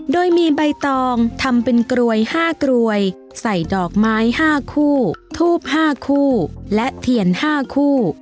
โดยมีใบตองทำเป็นกลวยห้ากลวยใส่ดอกไม้ห้าคู่ทูบห้าคู่และเทียนห้าคู่